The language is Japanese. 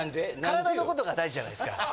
体の事が大事じゃないですか。